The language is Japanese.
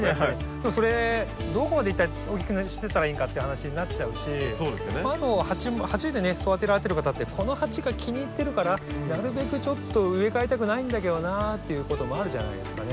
でもそれどこまで一体大きくしてったらいいんかっていう話になっちゃうしあと鉢で育てられてる方ってこの鉢が気に入ってるからなるべくちょっと植え替えたくないんだけどなっていうこともあるじゃないですかね。